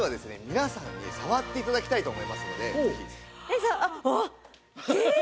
皆さんに触って頂きたいと思いますので。